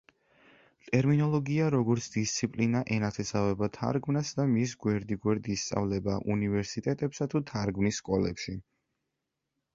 ტერმინოლოგია, როგორც დისციპლინა ენათესავება თარგმნას და მის გვერდიგვერდ ისწავლება უნივერსიტეტებსა თუ თარგმნის სკოლებში.